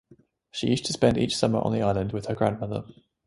She used to spend each summer on the island with her grandmother.